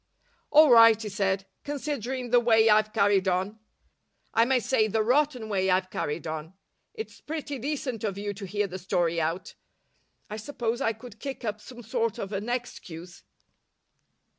"All right," he said. "Considering the way I've carried on I may say the rotten way I've carried on it's pretty decent of you to hear the story out. I suppose I could kick up some sort of an excuse."